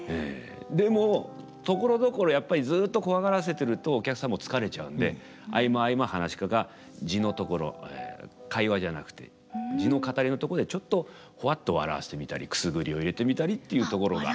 でもところどころやっぱりずっとコワがらせてるとお客さんも疲れちゃうんで合間合間噺家が地のところ会話じゃくて地の語りのとこでちょっとほわっと笑わせてみたりくすぐりを入れてみたりっていうところが。